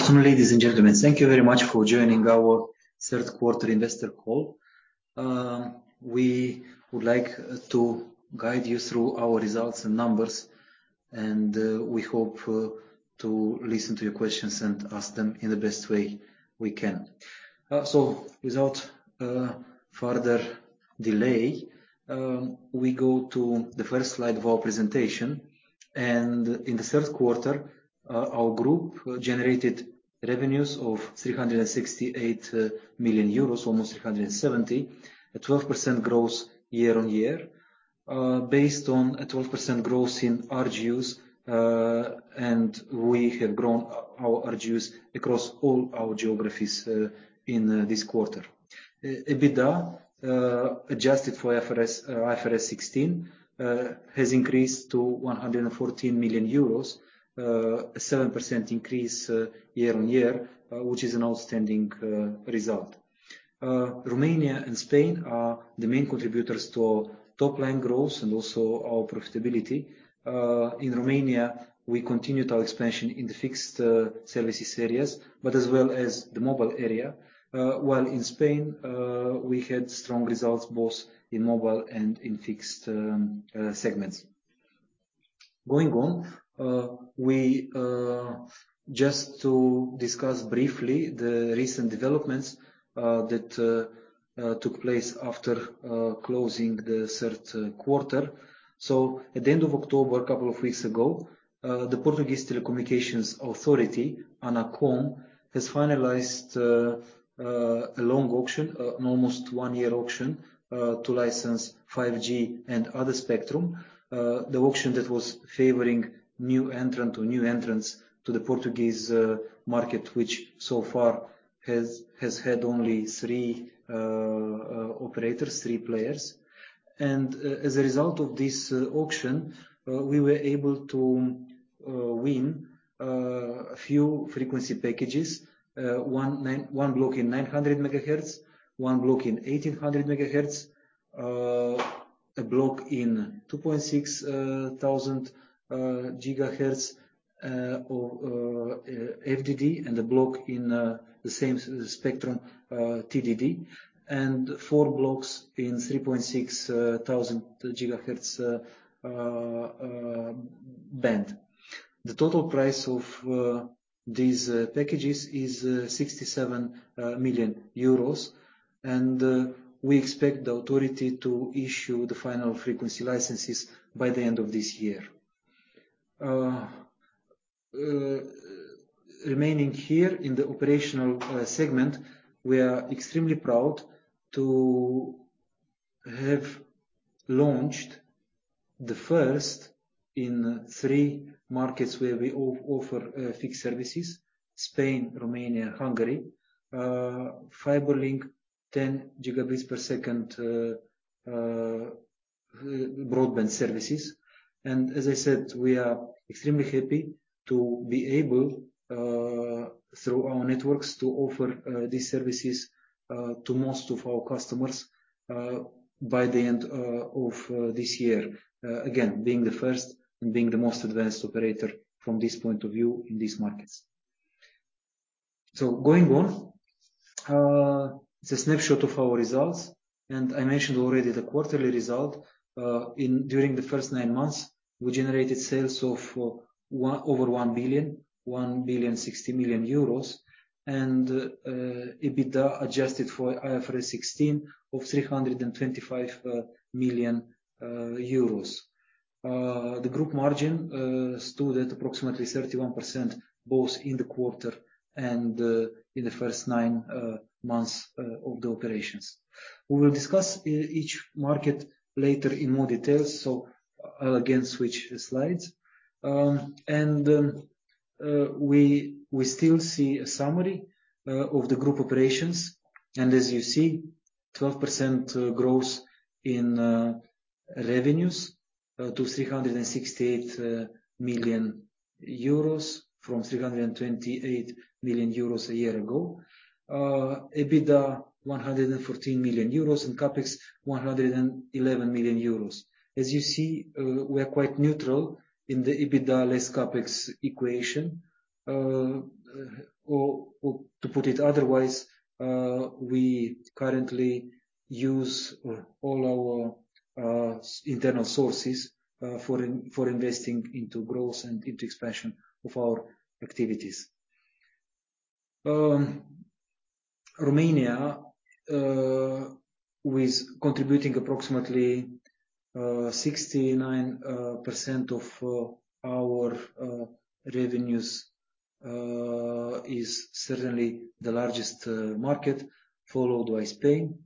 Good afternoon, ladies and gentlemen. Thank you very much for joining our third quarter investor call. We would like to guide you through our results and numbers, and we hope to listen to your questions and ask them in the best way we can. Without further delay, we go to the first slide of our presentation. In the third quarter, our group generated revenues of 368 million euros, almost 370. A 12% growth year-over-year, based on a 12% growth in RGUs, and we have grown our RGUs across all our geographies in this quarter. EBITDA, adjusted for IFRS 16, has increased to 114 million euros, a 7% increase year-over-year, which is an outstanding result. Romania and Spain are the main contributors to top-line growth and also our profitability. In Romania, we continued our expansion in the fixed services areas, but as well as the mobile area. While in Spain, we had strong results both in mobile and in fixed segments. Going on, just to discuss briefly the recent developments that took place after closing the third quarter. At the end of October, a couple of weeks ago, the Portuguese Telecommunications Authority, ANACOM, has finalized a long auction, an almost one-year auction, to license 5G and other spectrum. The auction that was favoring new entrant or new entrants to the Portuguese market, which so far has had only three operators, three players. As a result of this auction, we were able to win a few frequency packages. One block in 900 MHz, one block in 1,800 MHz, a block in 2,600 GHz FDD, and a block in the same spectrum TDD, and four blocks in 3,600 GHz band. The total price of these packages is 67 million euros. We expect the authority to issue the final frequency licenses by the end of this year. Remaining here in the operational segment, we are extremely proud to have launched the first in three markets where we offer fixed services, Spain, Romania, and Hungary, Fiberlink 10 Gbps broadband services. As I said, we are extremely happy to be able, through our networks, to offer these services to most of our customers, by the end of this year, again, being the first and being the most advanced operator from this point of view in these markets. Going on, the snapshot of our results, and I mentioned already the quarterly result. During the first nine months, we generated sales of over 1.6 billion, and EBITDA adjusted for IFRS 16 of 325 million euros. The group margin stood at approximately 31%, both in the quarter and in the first nine months of the operations. We will discuss each market later in more detail. I'll again switch slides. We still see a summary of the group operations. As you see, 12% growth in revenues to 368 million euros from 328 million euros a year ago. EBITDA, 114 million euros, and CapEx, 111 million euros. As you see, we're quite neutral in the EBITDA less CapEx equation. To put it otherwise, we currently use all our internal sources for investing into growth and into expansion of our activities. Romania, contributing approximately 69% of our revenues, is certainly the largest market, followed by Spain,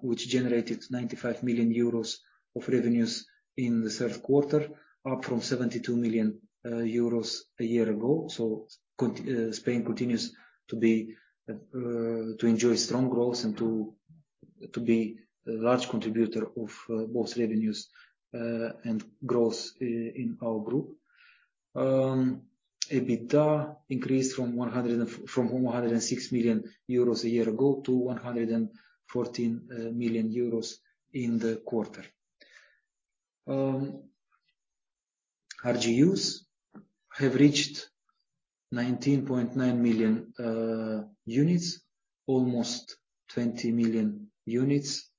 which generated 95 million euros of revenues in the third quarter, up from 72 million euros a year ago. Spain continues to enjoy strong growth and to be a large contributor of both revenues and growth in our group. EBITDA increased from 106 million euros a year ago to 114 million euros in the quarter. RGUs have reached 19.9 million units, almost 20 million units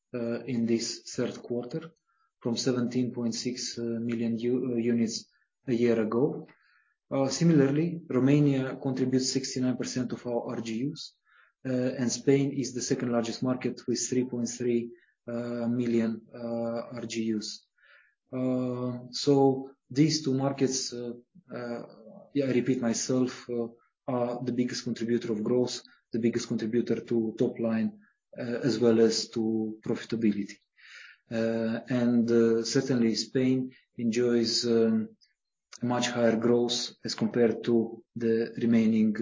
in this third quarter, from 17.6 million units a year ago. Similarly, Romania contributes 69% of our RGUs, and Spain is the second-largest market with 3.3 million RGUs. These two markets, I repeat myself, are the biggest contributor of growth, the biggest contributor to top line, as well as to profitability. Certainly Spain enjoys much higher growth as compared to the remaining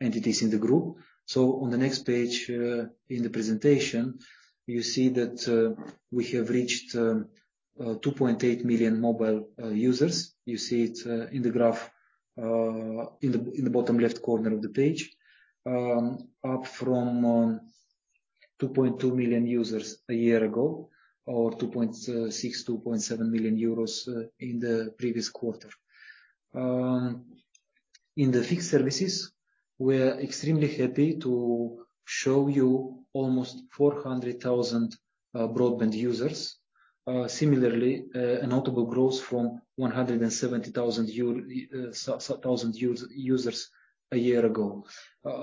entities in the group. On the next page in the presentation, you see that we have reached 2.8 million mobile users. You see it in the graph in the bottom left corner of the page, up from 2.2 million users a year ago or 2.6 million euros, 2.7 million euros in the previous quarter. In the fixed services, we're extremely happy to show you almost 400,000 broadband users. Similarly, a notable growth from 170,000 users a year ago.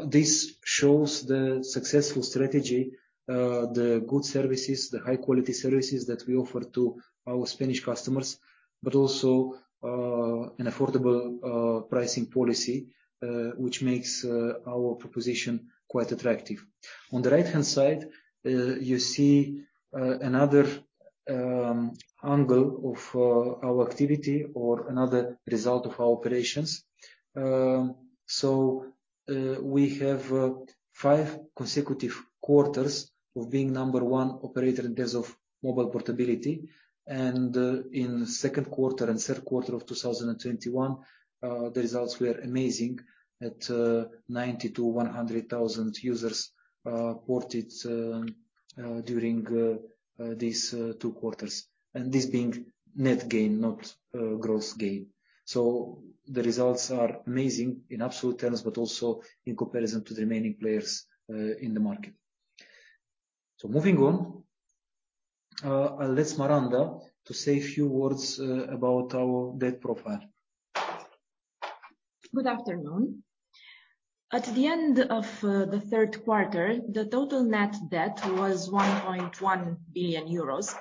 This shows the successful strategy, the good services, the high-quality services that we offer to our Spanish customers, but also an affordable pricing policy, which makes our proposition quite attractive. On the right-hand side, you see another angle of our activity or another result of our operations. We have five consecutive quarters of being number one operator in terms of mobile portability. In the second quarter and third quarter of 2021, the results were amazing at 90,000-100,000 users ported during these two quarters. This being net gain, not gross gain. The results are amazing in absolute terms, but also in comparison to the remaining players in the market. Moving on, I'll let Smaranda say a few words about our debt profile. Good afternoon. At the end of the third quarter, the total net debt was 1.1 billion euros,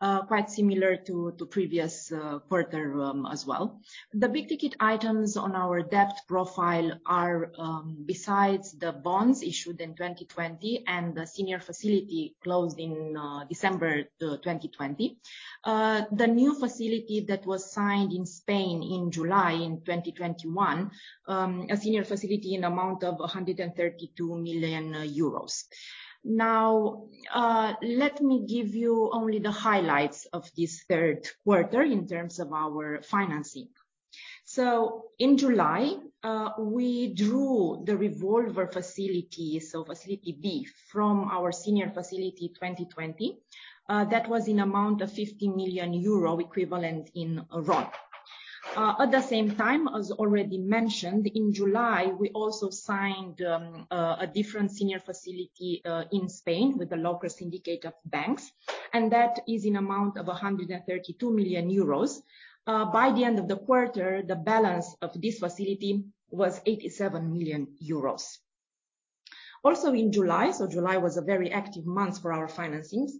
quite similar to previous quarter as well. The big-ticket items on our debt profile are, besides the bonds issued in 2020 and the Senior Facility closed in December 2020, the new facility that was signed in Spain in July in 2021, a senior facility in amount of 132 million euros. Now, let me give you only the highlights of this third quarter in terms of our financing. In July, we drew the revolver facility, so Facility B, from our Senior Facility 2020. That was in amount of 50 million euro equivalent in RON. At the same time, as already mentioned, in July, we also signed a different senior facility in Spain with a local syndicate of banks, and that is in amount of 132 million euros. By the end of the quarter, the balance of this facility was 87 million euros. Also in July, so July was a very active month for our financings,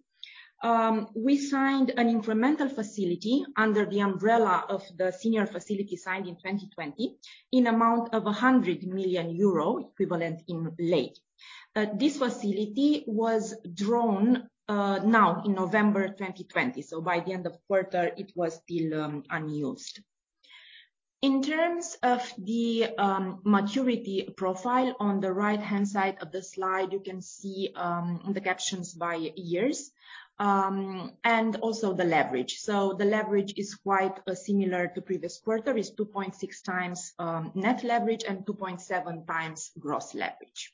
we signed an incremental facility under the umbrella of the Senior Facility 2020 in amount of 100 million euro equivalent in RON. This facility was drawn now in November 2020, so by the end of the quarter, it was still unused. In terms of the maturity profile, on the right-hand side of the slide, you can see the captions by years, and also the leverage. The leverage is quite similar to previous quarter, it's 2.6x net leverage and 2.7x gross leverage.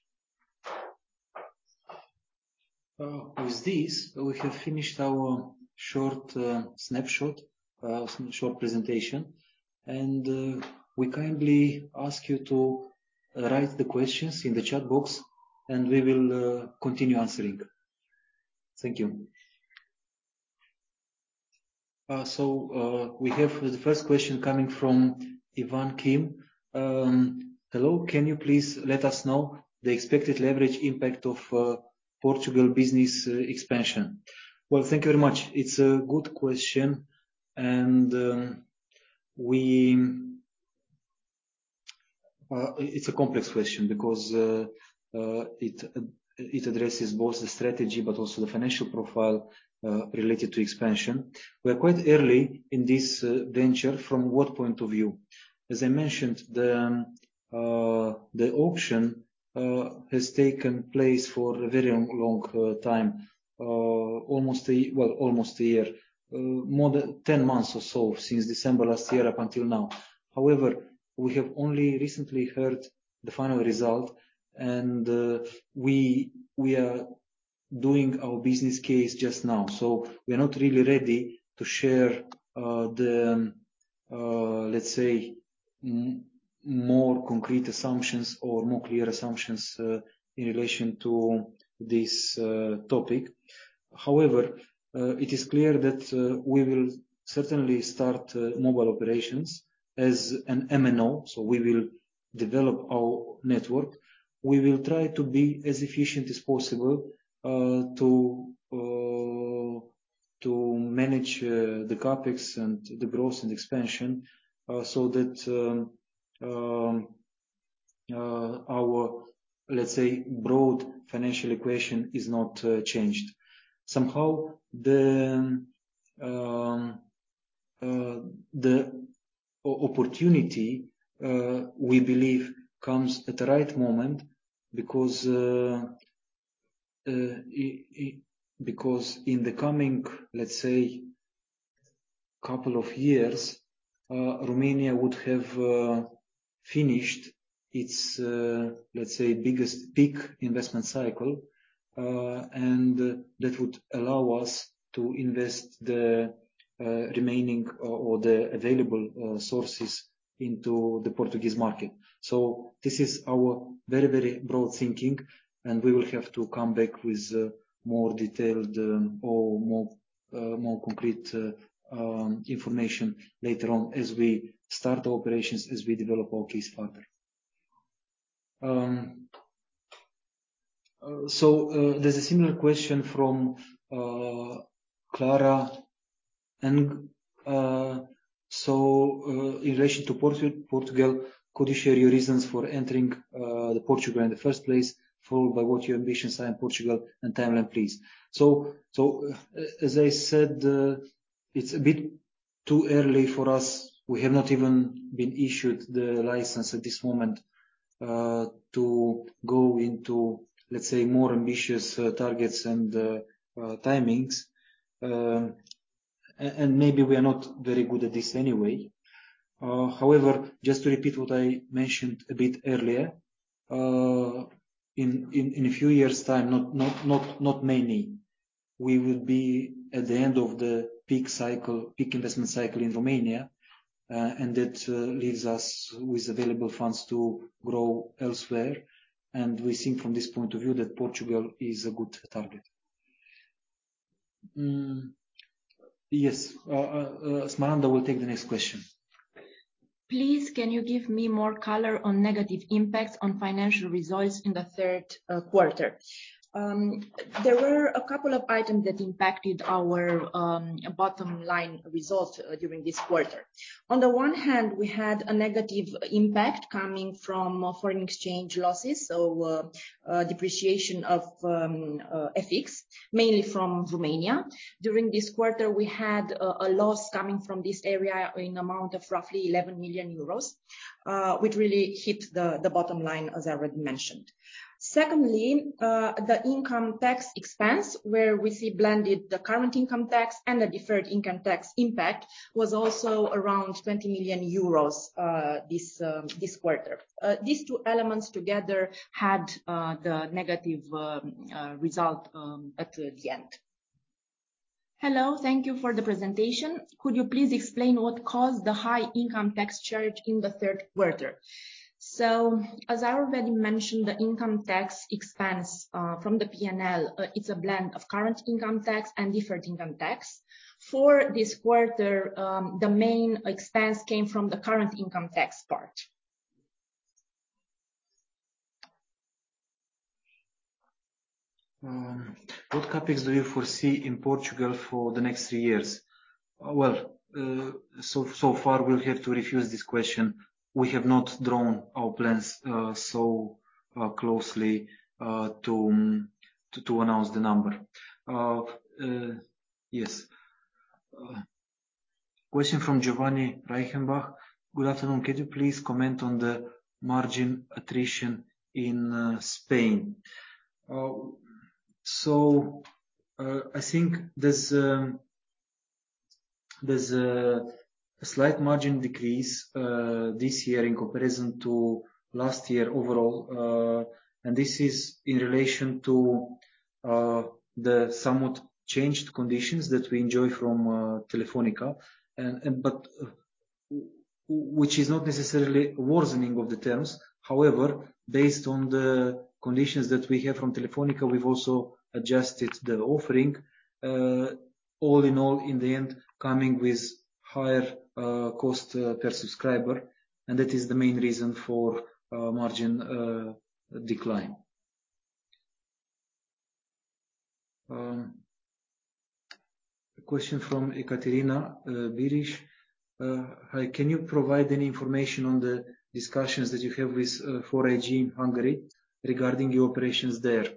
With this, we have finished our short snapshot, short presentation, and we kindly ask you to write the questions in the chat box and we will continue answering. Thank you. We have the first question coming from Ivan Kim. "Hello, can you please let us know the expected leverage impact of Portugal business expansion?" Well, thank you very much. It's a good question, and it's a complex question because it addresses both the strategy but also the financial profile related to expansion. We're quite early in this venture from what point of view. As I mentioned, the auction has taken place for a very long time, almost a year. More than 10 months or so since December last year up until now. However, we have only recently heard the final result, and we are doing our business case just now. We are not really ready to share the, let's say, more concrete assumptions or more clear assumptions in relation to this topic. However, it is clear that we will certainly start mobile operations as an MNO. We will develop our network. We will try to be as efficient as possible to manage the CapEx and the growth and expansion so that our, let's say, broad financial equation is not changed. Somehow, the opportunity, we believe, comes at the right moment because in the coming, let's say, couple of years, Romania would have finished its, let's say, biggest peak investment cycle, and that would allow us to invest the remaining or the available sources into the Portuguese market. This is our very, very broad thinking, and we will have to come back with more detailed or more complete information later on as we start operations, as we develop our use case. There's a similar question from Clara. In relation to Portugal, could you share your reasons for entering Portugal in the first place, followed by what your ambitions are in Portugal, and timeline, please. As I said, it's a bit too early for us. We have not even been issued the license at this moment to go into, let's say, more ambitious targets and timings. Maybe we are not very good at this anyway. However, just to repeat what I mentioned a bit earlier. In a few years' time, not many, we will be at the end of the peak investment cycle in Romania, and that leaves us with available funds to grow elsewhere. We think from this point of view that Portugal is a good target. Yes. Smaranda will take the next question. Please, can you give me more color on negative impacts on financial results in the third quarter? There were a couple of items that impacted our bottom line results during this quarter. On the one hand, we had a negative impact coming from foreign exchange losses, so depreciation of FX, mainly from Romania. During this quarter, we had a loss coming from this area in amount of roughly 11 million euros, which really hit the bottom line, as I already mentioned. Secondly, the income tax expense, where we see blend of the current income tax and the deferred income tax impact, was also around 20 million euros this quarter. These two elements together had the negative result at the end. Hello. Thank you for the presentation. Could you please explain what caused the high income tax charge in the third quarter? As I already mentioned, the income tax expense from the P&L, it's a blend of current income tax and deferred income tax. For this quarter, the main expense came from the current income tax part. What CapEx do you foresee in Portugal for the next three years? Well, so far we'll have to refuse this question. We have not drawn our plans so closely to announce the number. Yes. Question from Giovanni Reichenbach. Good afternoon. Could you please comment on the margin attrition in Spain? I think there's a slight margin decrease this year in comparison to last year overall. This is in relation to the somewhat changed conditions that we enjoy from Telefónica, which is not necessarily worsening of the terms. However, based on the conditions that we have from Telefónica, we've also adjusted the offering. All in all, in the end, coming with higher cost per subscriber, and that is the main reason for margin decline. A question from Ekaterina Birich. Hi, can you provide any information on the discussions that you have with 4iG in Hungary regarding your operations there?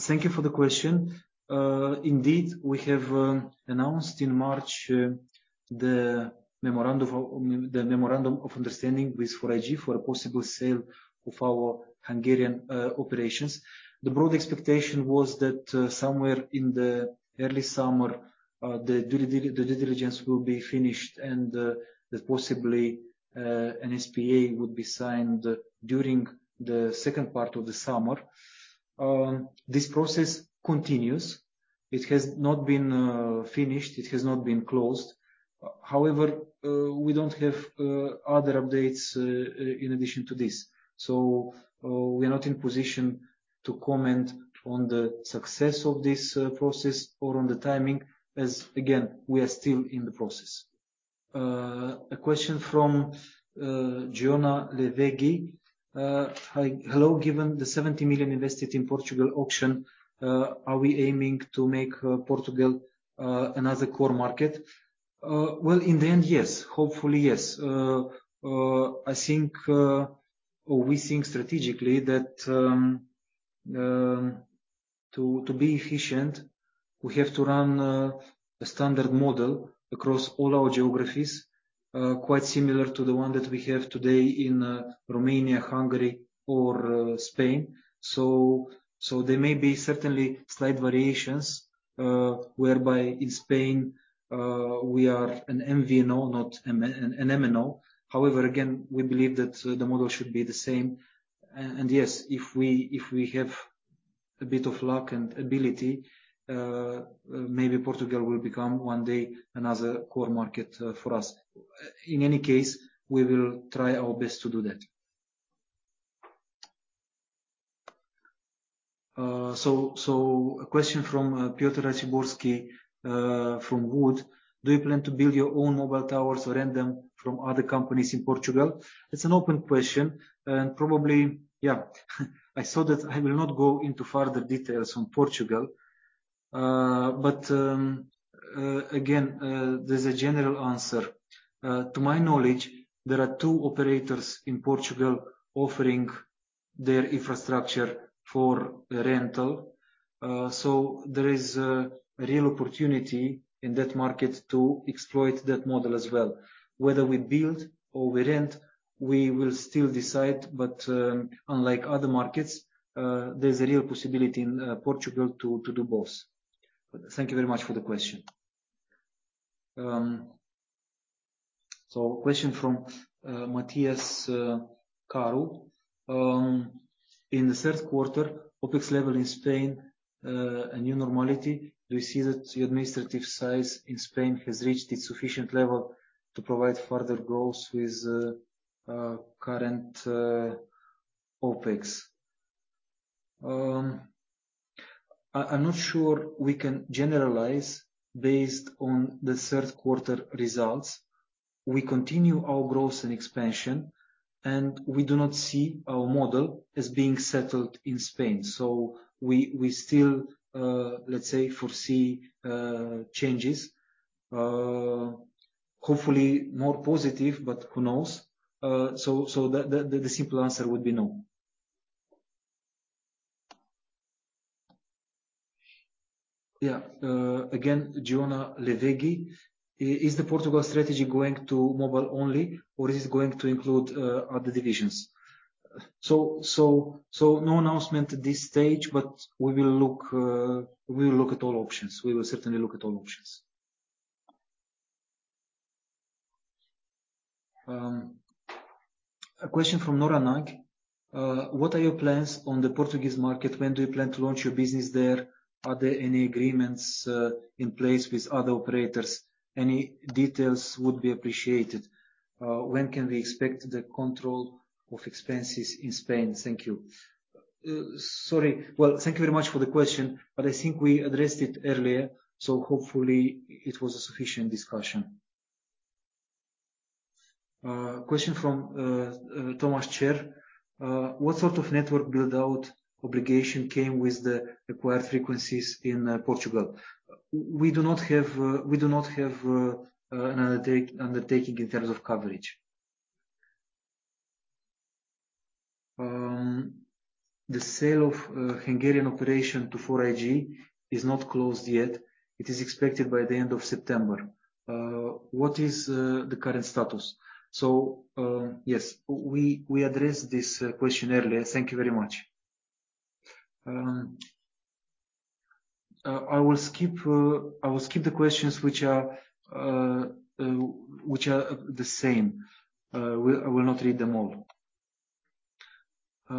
Thank you for the question. Indeed, we have announced in March the memorandum of understanding with 4iG for a possible sale of our Hungarian operations. The broad expectation was that somewhere in the early summer, the due diligence will be finished and that possibly an SPA would be signed during the second part of the summer. This process continues. It has not been finished. It has not been closed. However, we don't have other updates in addition to this. We are not in position to comment on the success of this process or on the timing as, again, we are still in the process. A question from Giona Levegi. "Hello. Given the 70 million invested in Portugal auction, are we aiming to make Portugal another core market?" Well, in the end, yes. Hopefully, yes. We think strategically that to be efficient, we have to run a standard model across all our geographies, quite similar to the one that we have today in Romania, Hungary, or Spain. There may be certainly slight variations, whereby in Spain, we are an MVNO, not an MNO. However, again, we believe that the model should be the same. Yes, if we have a bit of luck and ability, maybe Portugal will become one day another core market for us. In any case, we will try our best to do that. A question from Piotr Raciborski from Wood: "Do you plan to build your own mobile towers or rent them from other companies in Portugal?" It's an open question, and probably, yeah I saw that I will not go into further details on Portugal. Again, there's a general answer. To my knowledge, there are two operators in Portugal offering their infrastructure for rental. There is a real opportunity in that market to exploit that model as well. Whether we build or we rent, we will still decide. Unlike other markets, there's a real possibility in Portugal to do both. Thank you very much for the question. Question from Matthias Carle. "In the third quarter, OpEx level in Spain a new normality? Do you see that the administrative size in Spain has reached its sufficient level to provide further growth with current OpEx?" I'm not sure we can generalize based on the third quarter results. We continue our growth and expansion, and we do not see our model as being settled in Spain. We still, let's say, foresee changes. Hopefully, more positive, but who knows? The simple answer would be no. Yeah. Again, Giona Levegi: "Is the Portugal strategy going to mobile only, or is it going to include other divisions?" No announcement at this stage, but we will look at all options. We will certainly look at all options. A question from Nora Neac: "What are your plans on the Portuguese market? When do you plan to launch your business there? Are there any agreements in place with other operators? Any details would be appreciated. When can we expect the control of expenses in Spain? Thank you." Sorry. Well, thank you very much for the question, but I think we addressed it earlier, so hopefully it was a sufficient discussion. A question from Thomas Chair: "What sort of network build-out obligation came with the required frequencies in Portugal?" We do not have an undertaking in terms of coverage. "The sale of Hungarian operation to 4iG is not closed yet. It is expected by the end of September. What is the current status?" Yes, we addressed this question earlier. Thank you very much. I will skip the questions which are the same. I will not read them all. A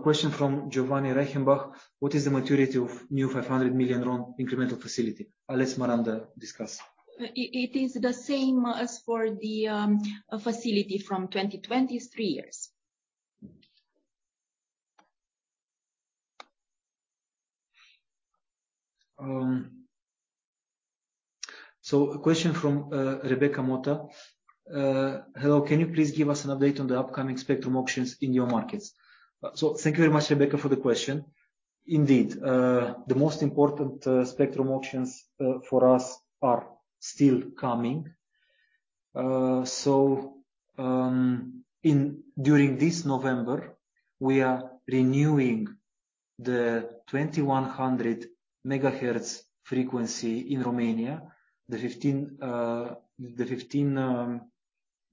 question from Giovanni Reichenbach: "What is the maturity of new RON 500 million incremental facility?" I'll let Smaranda discuss. It is the same as for the Facility from 2020, three years. A question from Rebecca Mota. "Hello. Can you please give us an update on the upcoming spectrum auctions in your markets?" Thank you very much, Rebecca, for the question. Indeed, the most important spectrum auctions for us are still coming.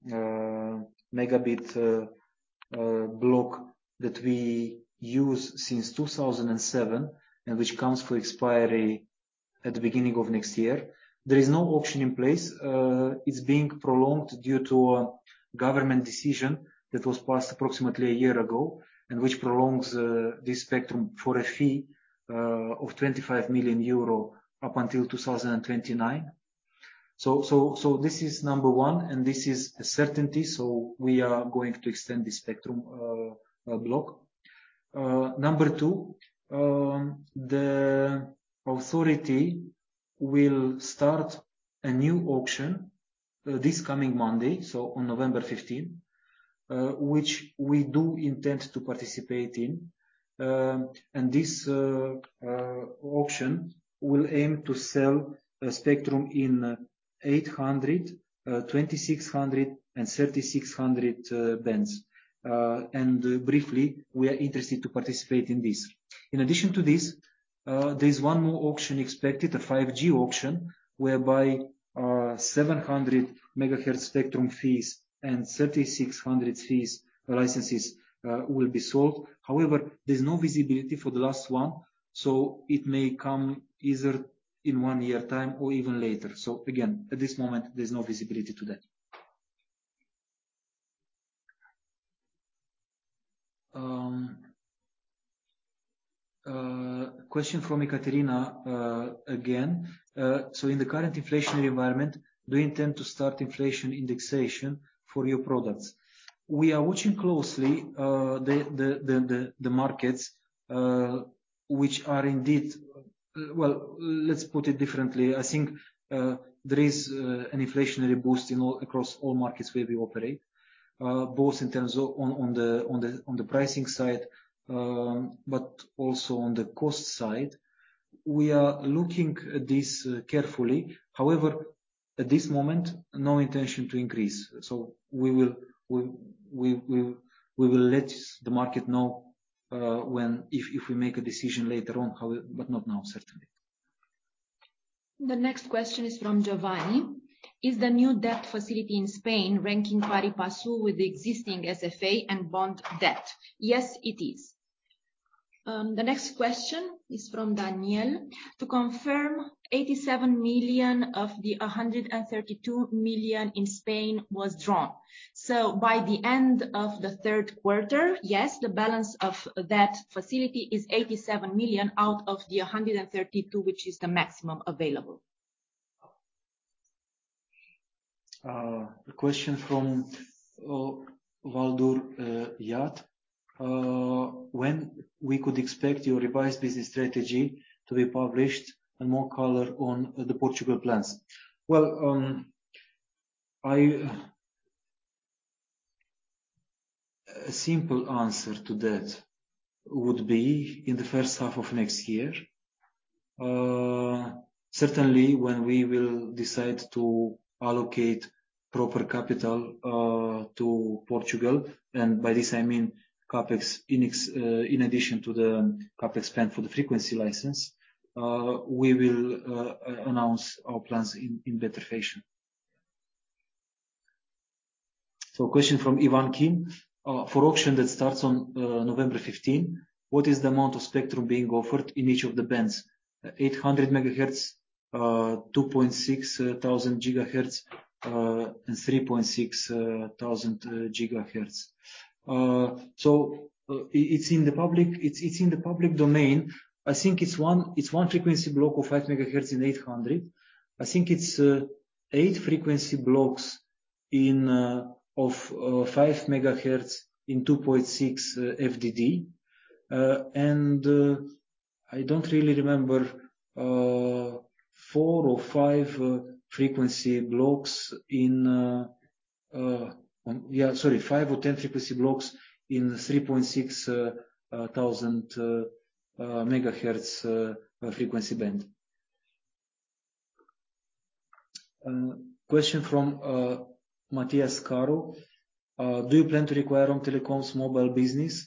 During this November, we are renewing the 2100 MHz frequency in Romania, the 15 megabits block that we use since 2007, and which comes up for expiry at the beginning of next year. There is no auction in place. It's being prolonged due to a government decision that was passed approximately a year ago, and which prolongs this spectrum for a fee of 25 million euro up until 2029. This is number one, and this is a certainty. We are going to extend this spectrum block. Number two, the authority will start a new auction this coming Monday, so on November 15, which we do intend to participate in. This auction will aim to sell a spectrum in 800, 2600, and 3600 bands. Briefly, we are interested to participate in this. In addition to this, there's one more auction expected, a 5G auction, whereby 700 MHz spectrum and 3600 MHz licenses will be sold. However, there's no visibility for the last one, so it may come either in one year time or even later. Again, at this moment, there's no visibility to that. Question from Ekaterina again. In the current inflationary environment, do you intend to start inflation indexation for your products? We are watching closely the markets, which are indeed. Well, let's put it differently. I think there is an inflationary boost across all markets where we operate, both on the pricing side, but also on the cost side. We are looking at this carefully. However, at this moment, no intention to increase. We will let the market know if we make a decision later on, but not now, certainly. The next question is from Giovanni. Is the new debt facility in Spain ranking pari passu with the existing SFA and bond debt? Yes, it is. The next question is from Daniel. To confirm 87 million of the 132 million in Spain was drawn. By the end of the third quarter, yes, the balance of that facility is 87 million out of the 132 million, which is the maximum available. A question from Valdur Jartt. When we could expect your revised business strategy to be published and more color on the Portugal plans? Well, a simple answer to that would be in the first half of next year. Certainly when we will decide to allocate proper capital to Portugal, and by this I mean CapEx in addition to the CapEx spend for the frequency license. We will announce our plans in better fashion. Question from Ivan Kim. For auction that starts on November 15, what is the amount of spectrum being offered in each of the bands? 800 MHz, 2,600 GHz, and 3,600 GHz. So it's in the public domain. I think it's one frequency block of 5 MHz in 800. I think it's eight frequency blocks of 5 MHz in 2.6 FDD. I don't really remember. Four or five frequency blocks in Yeah, sorry, five or 10 frequency blocks in 3,600 MHz frequency band. Question from Matthias Carle. Do you plan to acquire Home Telecom's mobile business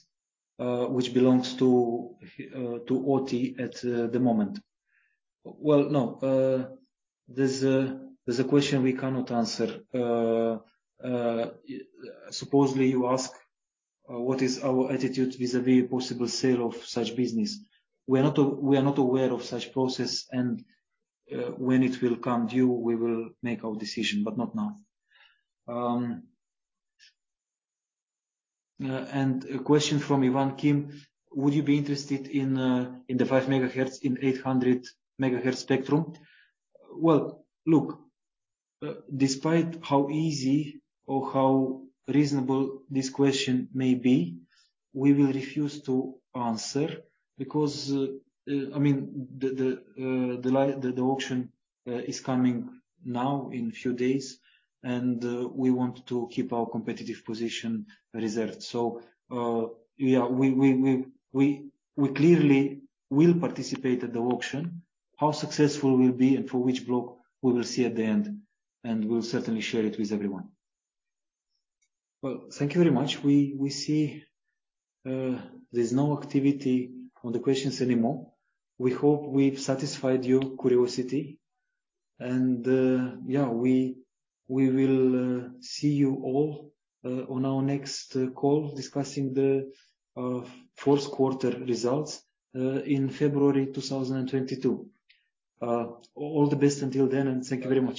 which belongs to Orange at the moment? Well, no. That's a question we cannot answer. Supposedly you ask, what is our attitude vis-à-vis possible sale of such business. We are not aware of such process and when it will come due, we will make our decision, but not now. A question from Ivan Kim. Would you be interested in the 5 MHz in 800 MHz spectrum? Well, look, despite how easy or how reasonable this question may be, we will refuse to answer because the auction is coming now in few days, and we want to keep our competitive position reserved. We clearly will participate at the auction. How successful we'll be and for which block, we will see at the end, and we'll certainly share it with everyone. Well, thank you very much. We see there's no activity on the questions anymore. We hope we've satisfied your curiosity. We will see you all on our next call discussing the fourth quarter results in February 2022. All the best until then, and thank you very much.